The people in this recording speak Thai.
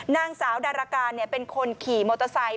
นางสาวดารการเป็นคนขี่มอเตอร์ไซค